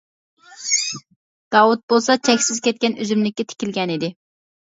داۋۇت بولسا چەكسىز كەتكەن ئۈزۈملۈككە تىكىلگەنىدى.